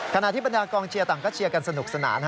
ขณะที่บรรดากองเชียร์ต่างก็เชียร์กันสนุกสนาน